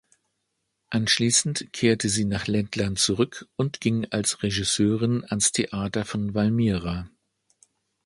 Anschließend kehrte sie nach Lettland zurück und ging als Regisseurin ans Theater von Valmiera.